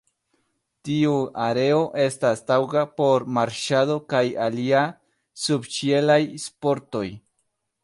Tiu areo estas taŭga por marŝado kaj aliaj subĉielaj sportoj.